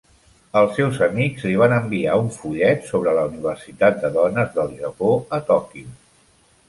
Els seus amics li van enviar un fullet sobre la universitat de dones del Japó a Tòquio.